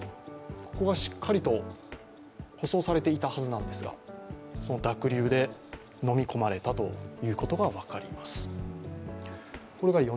ここがしっかりと舗装されていたはずなんですが、濁流でのみ込まれたということが分かります。